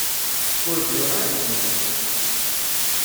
Ur bɣiɣ ara ddin-ik.